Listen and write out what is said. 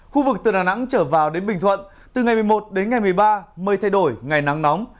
khu vực từ đà nẵng trở vào đến bình thuận từ ngày một mươi một đến ngày một mươi ba mây thay đổi ngày nắng nóng